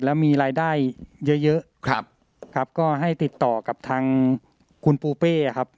แล้วมีรายได้เยอะเยอะครับครับก็ให้ติดต่อกับทางคุณปูเป้ครับ